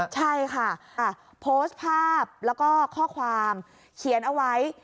ใช่ค่ะโพสต์ภาพแล้วก็ข้อความเขียนเอาไว้